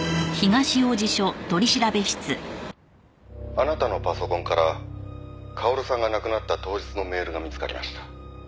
「あなたのパソコンから薫さんが亡くなった当日のメールが見つかりました」